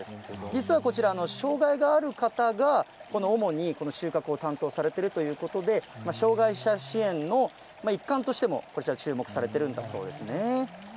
実はこちら、障がいがある方が主に収穫を担当されているということで、障がい者支援の一環としてもこちら、注目されてるんだそうですね。